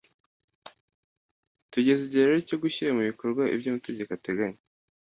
tugeze igihe rero cyo gushyira mu bikorwa ibyo amategeko ateganya